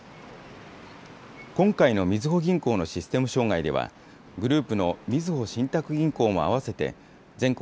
今回のみずほ銀行のシステム障害では、グループのみずほ信託銀行も合わせて、全国